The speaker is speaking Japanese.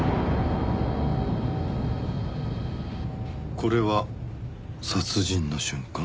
これは殺人の瞬間？